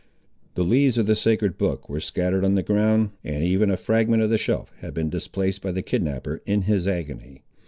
The leaves of the sacred book were scattered on the ground, and even a fragment of the shelf had been displaced by the kidnapper in his agony.